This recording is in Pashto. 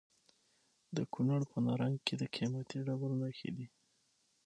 د کونړ په نرنګ کې د قیمتي ډبرو نښې دي.